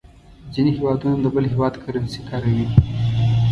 ځینې هېوادونه د بل هېواد کرنسي کاروي.